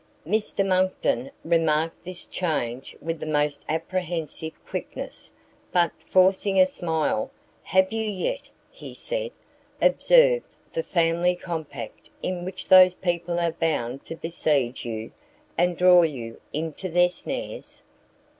Mr Monckton remarked this change with the most apprehensive quickness, but, forcing a smile, "Have you yet," he said, "observed the family compact in which those people are bound to besiege you, and draw you into their snares?"